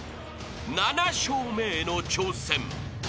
［７笑目への挑戦］